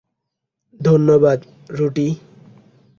ধন্যবাদ, রুটি।